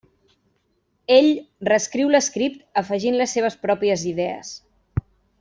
Ell reescriu l'script afegint les seves pròpies idees.